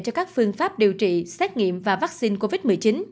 cho các phương pháp điều trị xét nghiệm và vaccine covid một mươi chín